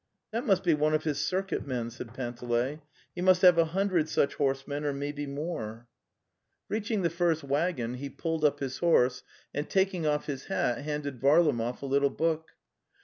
'That must be one of his circuit men," said Pan teley. '' He must have a hundred such horsemen or maybe more." 266 The Tales of Chekhov Reaching the first waggon, he pulled up his horse, and taking off his hat, handed Varlamov a little book.